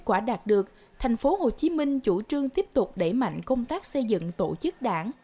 kết quả đạt được thành phố hồ chí minh chủ trương tiếp tục đẩy mạnh công tác xây dựng tổ chức đảng